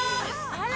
あら！